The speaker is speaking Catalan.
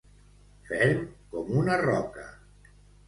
Ferm com una roca.